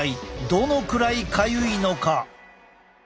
どのくらいかゆいのか。